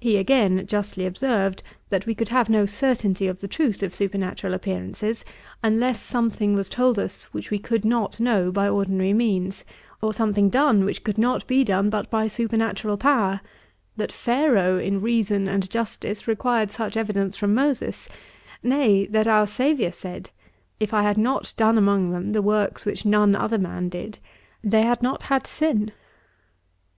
He again justly observed, that we could have no certainty of the truth of supernatural appearances, unless something was told us which we could not know by ordinary means, or something done which could not be done but by supernatural power; that Pharaoh in reason and justice required such evidence from Moses; nay, that our Saviour said, 'If I had not done among them the works which none other man did, they had not had sin.'